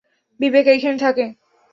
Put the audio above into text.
বিবেক এইখানে থাকে?